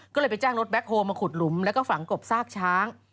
ก็เลยไปจ้างรถแคคโฮลมาขุดหลุมแล้วก็ฝังกบซากช้าง